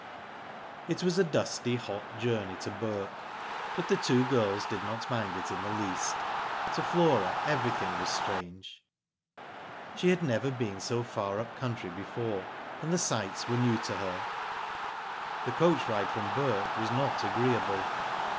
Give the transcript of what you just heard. It was a dusty, hot journey to Bourke, but the two girls did not mind it in the least. To Flora everything was strange. She had never been so far up country before, and the sights were new to her. The coach ride from Bourke was not agreeable.